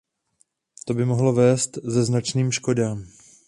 To by mohlo vést ze značným škodám.